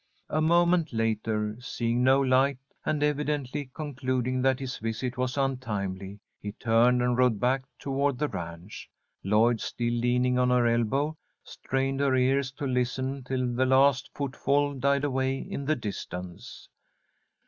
A moment later, seeing no light, and evidently concluding that his visit was untimely, he turned and rode back toward the ranch. Lloyd, still leaning on her elbow, strained her ears to listen till the last footfall died away in the distance.